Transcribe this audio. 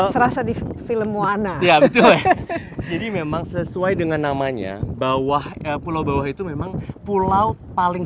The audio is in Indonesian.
serasa di film wana ya betul jadi memang sesuai dengan namanya bawah pulau bawah itu memang pulau paling